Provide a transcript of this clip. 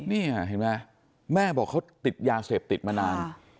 นี่เห็นไหมแม่บอกเขาติดยาเสพติดมานาน